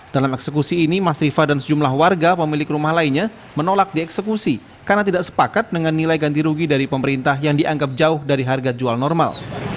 dalam eksekusi ini mas rifa dan sejumlah warga pemilik rumah lainnya menolak dieksekusi karena tidak sepakat dengan nilai ganti rugi dari pemerintah yang dianggap jauh dari harga jual normal